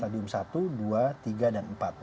stadium satu dua tiga dan empat